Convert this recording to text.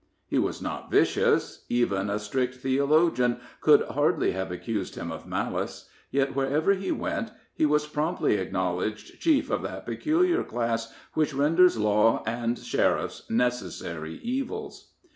He was not vicious even a strict theologian could hardly have accused him of malice; yet, wherever he went, he was promptly acknowledged chief of that peculiar class which renders law and sheriffs necessary evils.